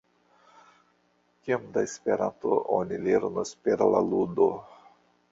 Kiom da Esperanto oni lernos per la ludo?